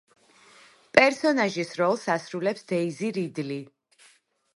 პერსონაჟის როლს ასრულებს დეიზი რიდლი.